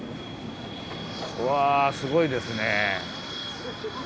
うわすごいですね。